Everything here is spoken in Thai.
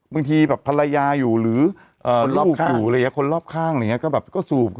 บางทีแบบภรรยาอยู่หรือลูกอยู่อะไรอย่างนี้คนรอบข้างอะไรอย่างนี้ก็แบบก็สูบ